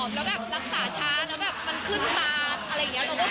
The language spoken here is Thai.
ถ้าเลือดผิดปกติเราก็กลัวว่า